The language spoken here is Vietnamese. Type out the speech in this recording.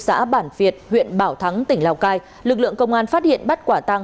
xã bản việt huyện bảo thắng tỉnh lào cai lực lượng công an phát hiện bắt quả tăng